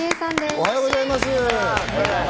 おはようございます。